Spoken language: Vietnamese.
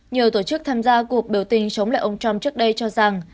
nhiều tổ chức tham gia cuộc biểu tình chống lại ông trump trước đây cho rằng